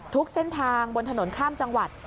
ทุกเส้นทางบนถนนข้ามจังหวัด